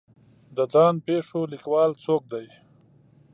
د ځان پېښو لیکوال څوک دی